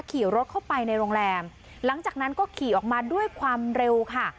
ขี่รถเข้าไปในโรงแรมหลังจากนั้นก็ขี่ออกมาด้วยความเร็วค่ะ